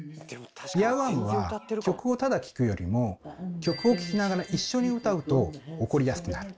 イヤーワームは曲をただ聞くよりも曲を聞きながら一緒に歌うと起こりやすくなる。